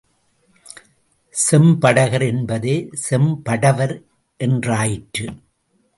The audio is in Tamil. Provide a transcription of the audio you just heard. செம் படகர் என்பதே செம்படவர் என்றாயிற்று.